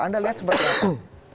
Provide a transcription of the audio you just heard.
anda lihat seperti apa